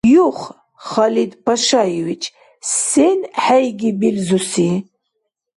Юх, Халид Пашаевич, сен хӀейгибилзуси?